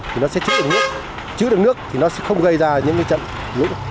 thì nó sẽ chứa được nước chứa được nước thì nó sẽ không gây ra những trận lũ